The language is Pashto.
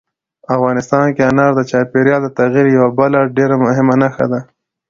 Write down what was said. افغانستان کې انار د چاپېریال د تغیر یوه بله ډېره مهمه نښه ده.